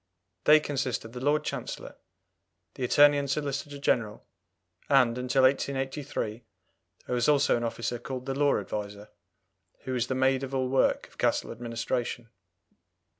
They consist of the Lord Chancellor, the Attorney and Solicitor General, and, until 1883, there was also an officer called the Law Adviser, who was the maid of all work of Castle administration.